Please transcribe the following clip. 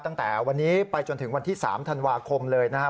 ตั้งแต่วันนี้ไปจนถึงวันที่๓ธันวาคมเลยนะครับ